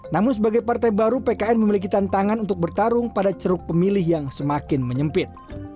namun sebagai partai baru pkn memiliki tantangan untuk bertarung pada ceruk pemilih yang semakin menyempit